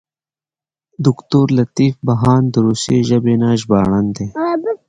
دوکتور لطیف بهاند د روسي ژبې نه ژباړن دی.